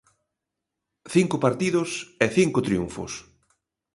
Cinco partidos e cinco triunfos.